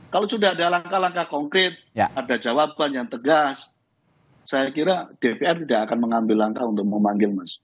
kalau sudah ada langkah langkah konkret ada jawaban yang tegas saya kira dpr tidak akan mengambil langkah untuk memanggil mas